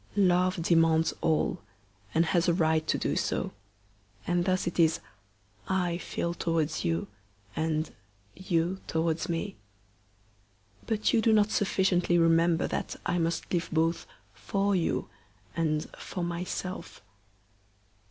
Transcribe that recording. Love demands all, and has a right to do so, and thus it is I feel towards you and you towards me; but you do not sufficiently remember that I must live both for you and for myself.